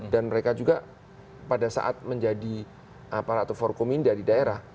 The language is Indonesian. dan mereka juga pada saat menjadi aparat atau forkominda di daerah